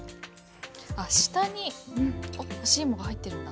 あっ下に干しいもが入ってるんだ。